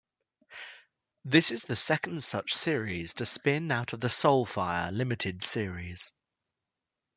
This is the second such series to spin out of the Soulfire limited series.